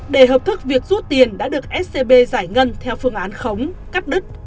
để hợp thức việc rút tiền đã được scb giải ngân theo phương án khống cắt đứt